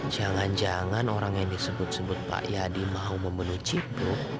jangan jangan orang yang disebut sebut pak yadi mau memenuhi cipu